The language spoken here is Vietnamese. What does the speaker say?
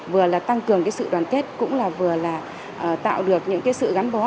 vừa là tăng cường cái sự đoàn kết cũng là vừa là tạo được những cái sự gắn bó